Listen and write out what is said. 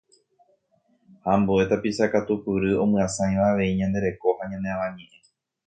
ha ambue tapicha katupyry omyasãiva avei ñande reko ha ñane Avañe'ẽ